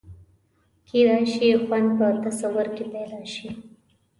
کېدای شي خوند په تصور کې پیدا شي.